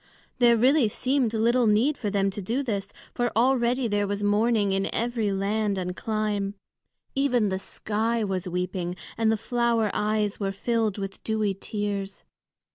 There really seemed little need for them to do this, for already there was mourning in every land and clime. Even the sky was weeping, and the flower eyes were filled with dewy tears.